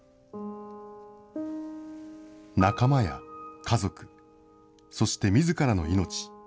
仲間や家族、そしてみずからの命。